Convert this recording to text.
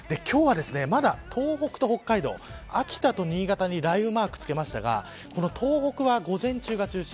今日は、まだ東北と北海道秋田と新潟に雷雨マークつけましたが東北は午前中が中心。